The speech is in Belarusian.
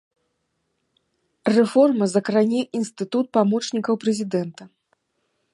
Рэформа закране інстытут памочнікаў прэзідэнта.